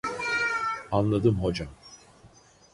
Anladım hocam